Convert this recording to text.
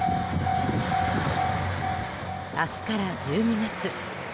明日から１２月。